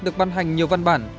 được ban hành nhiều văn bản